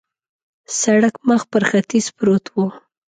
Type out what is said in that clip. سړک مخ پر ختیځ پروت و.